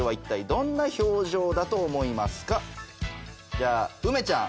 じゃあ梅ちゃん。